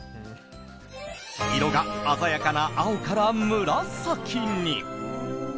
色が鮮やかな青から紫に。